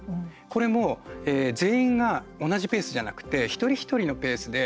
これも全員が同じペースじゃなくて一人一人のペースで。